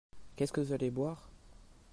Qu'est-ce que vous allez boire ?